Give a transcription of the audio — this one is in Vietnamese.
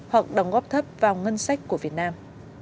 hoặc đóng góp thấp vào ngân sách của việt nam